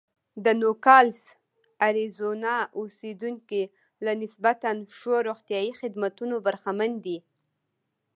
د نوګالس اریزونا اوسېدونکي له نسبتا ښو روغتیايي خدمتونو برخمن دي.